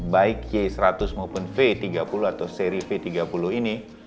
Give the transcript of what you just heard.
baik y seratus maupun v tiga puluh atau seri v tiga puluh ini